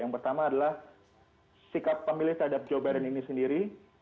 yang pertama adalah sikap pemilih terhadap joe biden ini sendiri